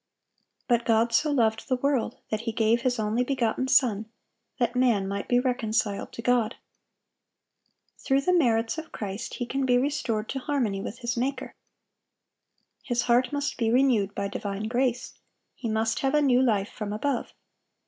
(788) But "God so loved the world, that He gave His only begotten Son," that man might be reconciled to God. Through the merits of Christ he can be restored to harmony with his Maker. His heart must be renewed by divine grace; he must have a new life from above.